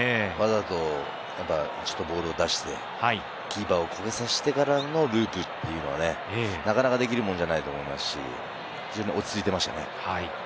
わざとボールを出して、キーパーをコケさしてからのループというのはなかなかできるものじゃないと思いますし、落ち着いていましたね。